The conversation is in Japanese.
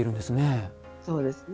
そうですね。